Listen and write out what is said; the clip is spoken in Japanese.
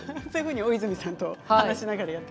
そういうふうに大泉さんと話しながら。